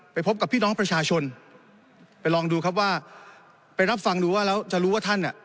พบกับพี่น้องประชาชนไปลองดูครับว่าไปรับฟังดูว่าแล้วจะรู้ว่าท่านอ่ะ